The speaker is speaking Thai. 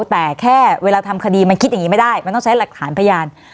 แต่แค่เวลาทำคดีมันคิดอย่างนี้ไม่ได้มันต้องใช้หลักฐานพยาน